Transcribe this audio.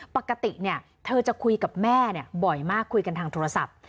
ปกติเธอจะคุยกับแม่บ่อยมากคุยกันทางโทรศัพท์